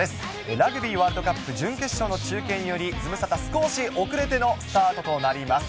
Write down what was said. ラグビーワールドカップ準決勝の中継により、ズムサタ、少し遅れてのスタートとなります。